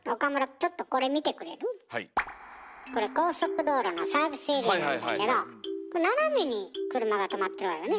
これ高速道路のサービスエリアなんだけどこれ斜めに車がとまってるわよね。